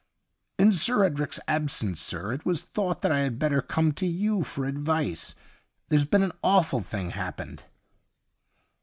' In Sir Edric's absence, sir, it was thought that I had better come to you for advice. There's been an awful thing happened.'